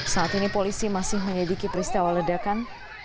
saat ini polisi masih menyelidiki peristiwa ledakan